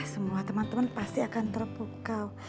semua teman teman pasti akan terpukau